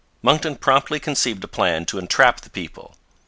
Monckton promptly conceived a plan to entrap the people.